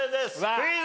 クイズ。